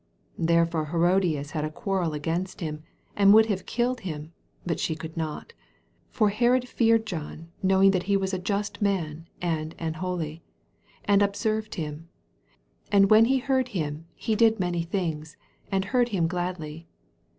19 Therefore Ilerodias had a quarrel against him, and would have killed him ; but she could not : 20 For Herod feared John, knowing that he was a just man and an holy, and observed him; and when he heard him, he did many things, and heard him gladly.